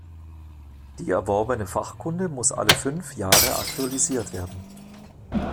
Die erworbene Fachkunde muss alle fünf Jahre aktualisiert werden.